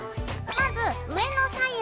まず上の左右